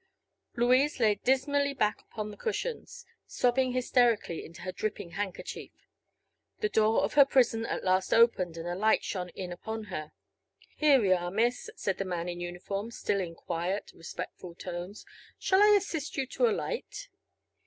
Louise lay dismally back upon the cushions, sobbing hysterically into her dripping handkerchief. The door of her prison at last opened and a light shone in upon her. "Here we are, miss," said the man in uniform, still in quiet, respectful tones. "Shall I assist you to alight?"